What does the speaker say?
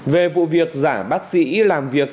về vụ việc giả bác sĩ làm việc